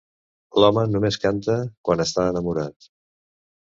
L'home només canta quan està enamorat.